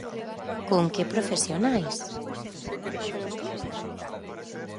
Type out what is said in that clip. ¿Con que profesionais?